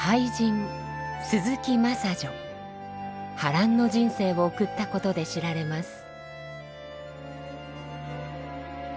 波乱の人生を送ったことで知られます。